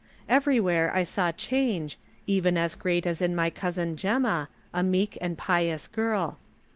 Everywhere I saw change, even as great as in my cousin Gemma, a meek and pious girl.